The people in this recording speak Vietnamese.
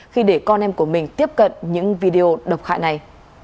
khi để con em của mình tiếp cận những video đọc khai này